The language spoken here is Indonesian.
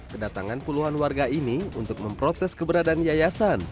kedatangan puluhan warga ini untuk memprotes keberadaan yayasan